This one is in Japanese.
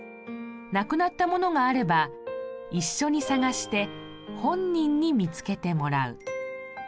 無くなった物があれば一緒に捜して本人に見つけてもらう。